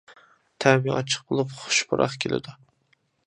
تەمى ئاچچىق بولۇپ، خۇش پۇراق كېلىدۇ.